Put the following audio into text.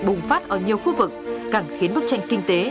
bùng phát ở nhiều khu vực càng khiến bức tranh kinh tế